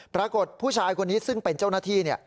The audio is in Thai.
ปรากฏผู้ชายคนนี้ซึ่งเป็นเจ้าหน้าที่